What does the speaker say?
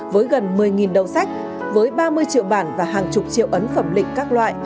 với gần một mươi đầu sách với ba mươi triệu bản và hàng chục triệu ấn phẩm lịch các loại